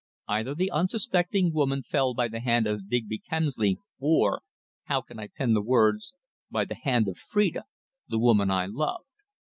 Either the unsuspecting woman fell by the hand of Digby Kemsley or how can I pen the words by the hand of Phrida, the woman I loved.